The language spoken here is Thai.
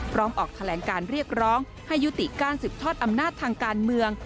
ออกแถลงการเรียกร้องให้ยุติการสืบทอดอำนาจทางการเมือง